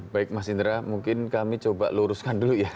baik mas indra mungkin kami coba luruskan dulu ya